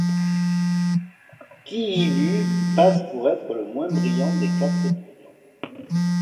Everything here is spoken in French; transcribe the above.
Kyibu passe pour être le moins brillant des quatre étudiants.